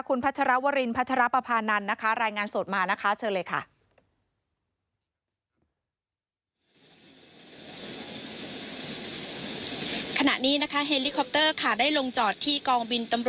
คุณพัชรวรินพัชรปภานันทร์นะคะ